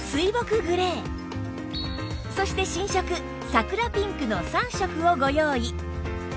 グレーそして新色桜ピンクの３色をご用意